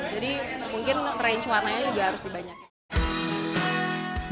jadi mungkin range warnanya juga harus dibanyakin